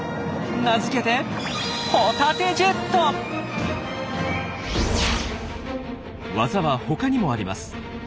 名付けて技は他にもあります。